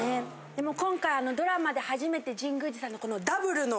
でも今回ドラマで初めて神宮寺さんのこのダブルの。